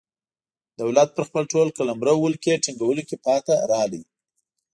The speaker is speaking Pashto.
دولت پر خپل ټول قلمرو ولکې ټینګولو کې پاتې راغلی.